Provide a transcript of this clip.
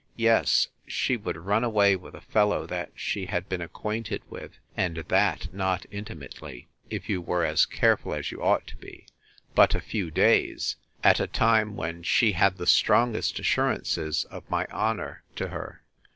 Yes, she would run away with a fellow that she had been acquainted with (and that not intimately, if you were as careful as you ought to be) but a few days; at a time when she had the strongest assurances of my honour to her.